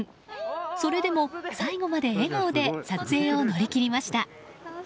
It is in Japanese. それでも最後まで笑顔で撮影を乗り切りました。